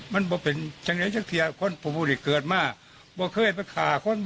มันคือเพราะที่คนพทุพุนิคเกิดมากก็ไม่เคยช่วยอีกอีกคน